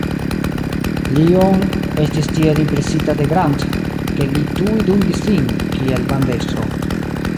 Lion estis tiel impresita de Grant, ke li tuj dungis lin kiel bandestro.